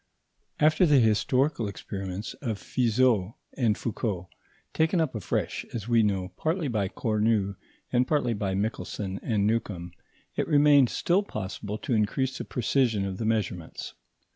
After the historical experiments of Fizeau and Foucault, taken up afresh, as we know, partly by Cornu, and partly by Michelson and Newcomb, it remained still possible to increase the precision of the measurements.